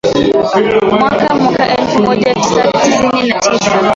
mwaka mwaka elfu moja mia tisa sitini na tisa